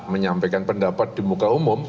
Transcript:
menyampaikan pendapat di muka umum